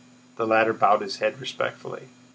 The latter bowed his head respectfully.